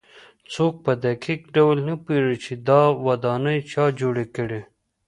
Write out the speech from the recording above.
څوک په دقیق ډول نه پوهېږي چې دا ودانۍ چا جوړې کړې.